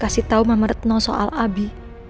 kasih tau mama retno soal abi